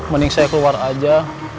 mending saya keluar aja